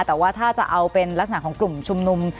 แต่ว่าถ้าจะเอาเป็นลักษณะของกลุ่มชุมนุม